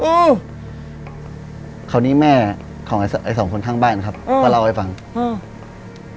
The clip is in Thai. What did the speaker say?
อืมคราวนี้แม่ของไอ้สองคนทางบ้านนะครับอืมว่าเราเอาไว้ฟังอืม